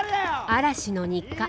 嵐の日課。